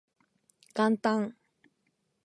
元旦